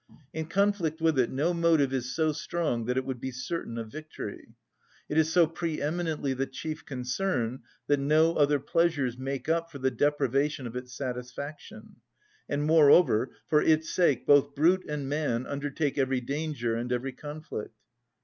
In conflict with it no motive is so strong that it would be certain of victory. It is so pre‐eminently the chief concern that no other pleasures make up for the deprivation of its satisfaction; and, moreover, for its sake both brute and man undertake every danger and every conflict.